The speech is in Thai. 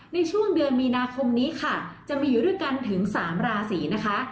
ในช่วงเดือนมีนาคมนี้ค่ะจะมีอยู่ด้วยกันถึง๓ราศีนะคะ